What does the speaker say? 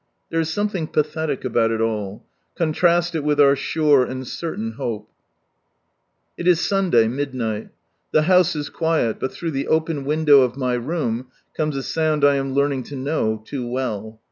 There is something pathetic about it all. Contrast it with our sure and cer tain Hope ! It is Sunday, midnight. The house is quiet, but through the open window of my room, comes a sound I am learning to know loo well.